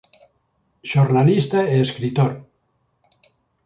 Xornalista e escritor